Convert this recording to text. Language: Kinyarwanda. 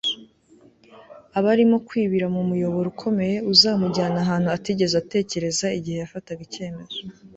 aba arimo kwibira mu muyoboro ukomeye uzamujyana ahantu atigeze atekereza igihe yafataga icyemezo